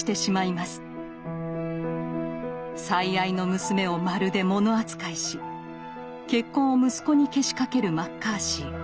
最愛の娘をまるで物扱いし結婚を息子にけしかけるマッカーシー。